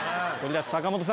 坂本さん